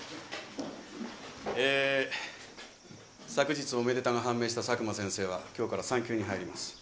えー昨日おめでたが判明した佐久間先生は今日から産休に入ります。